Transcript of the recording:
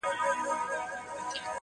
خر په سبا څه خبر.